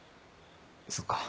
そっか。